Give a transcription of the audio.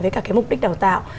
với các cái mục đích đào tạo